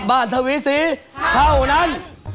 บ้านทวีสีเท่านั้น